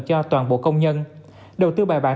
cho toàn bộ công nhân đầu tư bài bản